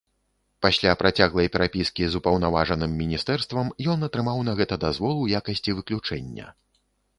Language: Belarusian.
Пасля працяглай перапіскі з упаўнаважаным міністэрствам ён атрымаў на гэта дазвол у якасці выключэння.